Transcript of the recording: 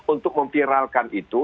untuk mempiralkan itu